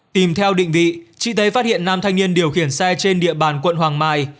tìm theo định vị chị tây phát hiện nam thanh niên điều khiển xe trên địa bàn quận hoàng mai